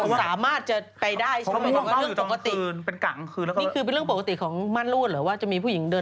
กลัวว่าผมจะต้องไปพูดให้ปากคำกับตำรวจยังไง